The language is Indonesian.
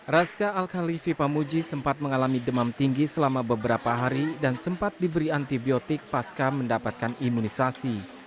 raska al khalifi pamuji sempat mengalami demam tinggi selama beberapa hari dan sempat diberi antibiotik pasca mendapatkan imunisasi